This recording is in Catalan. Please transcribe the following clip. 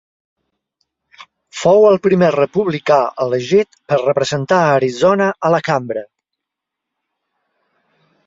Fou el primer republicà elegit per representar Arizona a la cambra.